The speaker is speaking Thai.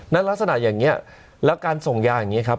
ลักษณะอย่างนี้แล้วการส่งยาอย่างนี้ครับ